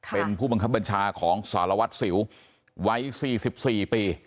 เป็นผู้บังคับบัญชาของสารวัสสิวไว้สี่สิบสี่ปี